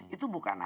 itu bukan isis